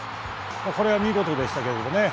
これは見事でしたけれども。